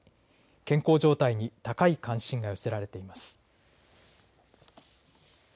健康状態に高い関心が寄せられています。